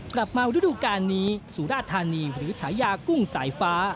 มาดูฤดูการนี้สุราธานีหรือฉายากุ้งสายฟ้า